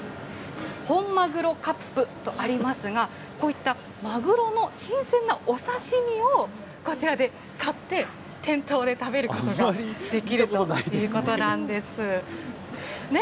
本マグロカップとありますが、こういったマグロの新鮮なお刺身をこちらで買って、店頭で食べるこあんまり見たことないですね。